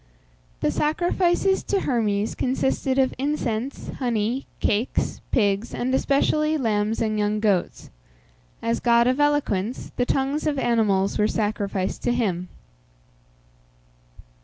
The sacrifices to Hermes consisted of incense, honey, cakes, pigs, and especially lambs and young goats. As god of eloquence, the tongues of animals were sacrificed to him.